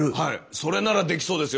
それならできそうですよ